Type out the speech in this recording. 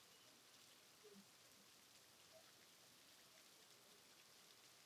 Tafuta matibabu ya majeraha mapema